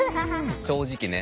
正直ね。